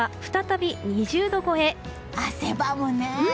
汗ばむね。